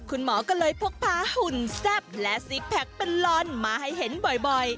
คุณหมอก็เลยพกพาหุ่นแซ่บและซิกแพคเป็นลอนมาให้เห็นบ่อย